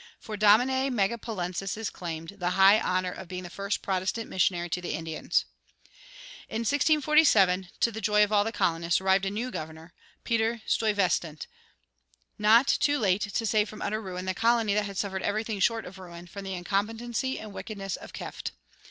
For Domine Megapolensis is claimed[71:1] the high honor of being the first Protestant missionary to the Indians. In 1647, to the joy of all the colonists, arrived a new governor, Peter Stuyvesant, not too late to save from utter ruin the colony that had suffered everything short of ruin from the incompetency and wickedness of Kieft.